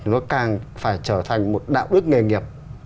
nó càng phải trở thành một đạo đức nghề nghiệp